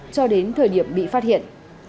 cho đến thời điểm bị phát hiện